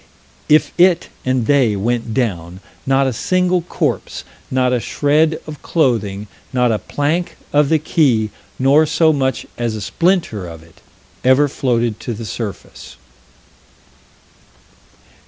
If it and they went down not a single corpse, not a shred of clothing, not a plank of the quay, nor so much as a splinter of it ever floated to the surface.